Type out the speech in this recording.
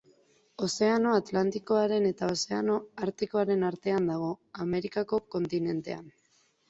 Ozeano Atlantikoaren eta Ozeano Artikoaren artean dago, Amerikako kontinentean.